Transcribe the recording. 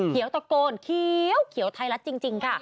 ตะโกนเขียวไทยรัฐจริงค่ะ